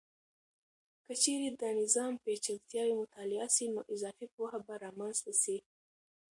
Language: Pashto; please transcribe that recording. که چیرې د نظام پیچلتیاوې مطالعه سي، نو اضافي پوهه به رامنځته سي.